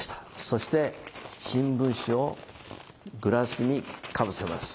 そして新聞紙をグラスにかぶせます。